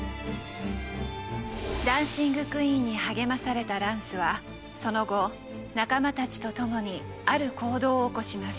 「ダンシング・クイーン」に励まされたランスはその後仲間たちとともにある行動を起こします。